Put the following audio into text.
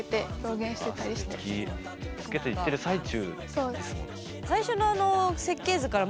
そうです。